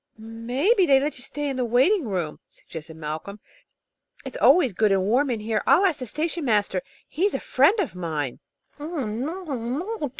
"Maybe they'd let you stay in the waiting room," suggested Malcolm. "It is always good and warm in here. I'll ask the station master. He's a friend of mine."